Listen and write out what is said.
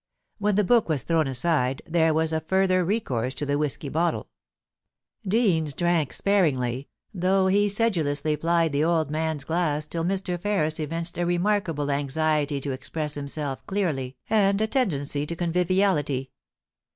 When the book was thrown aside there was a further recourse to the whisky bottle. Deans drank sparingly, though he sedulously plied the old man's glass till Mr. Ferris evinced a remarkable anxiety to express himself clearly, and a tendency to con viviality.